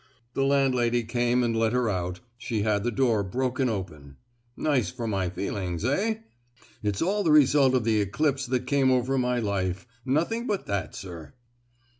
The landlady came and let her out: she had the door broken open! Nice for my feelings, eh! It's all the result of the eclipse that came over my life; nothing but that, sir!"